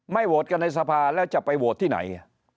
โหวตกันในสภาแล้วจะไปโหวตที่ไหน